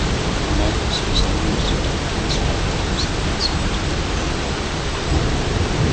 Die Meinungs-, Versammlungs- und Religionsfreiheit muss in der ganzen Welt verteidigt werden.